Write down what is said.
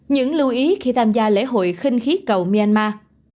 những lưu ý khi tham gia lễ hội khinh khí cầu myanmar